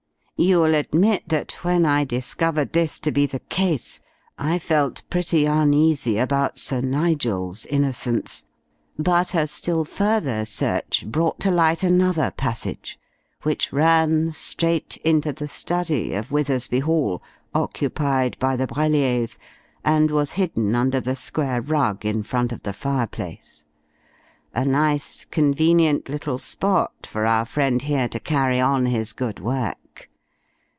"You'll admit that, when I discovered this to be the case, I felt pretty uneasy about Sir Nigel's innocence. But a still further search brought to light another passage, which ran straight into the study of Withersby Hall, occupied by the Brelliers, and was hidden under the square rug in front of the fireplace. A nice convenient little spot for our friend here to carry on his good work.